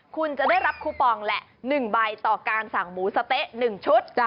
คุณจะได้รับคูปองแหละ๑ใบต่อการสั่งหมูสะเต๊ะ๑ชุด